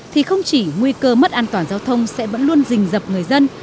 thì không chỉ nguy cơ mất an toàn giao thông sẽ vẫn luôn rình dập người dân